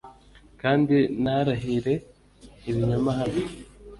kandi ntarahire ibinyoma hano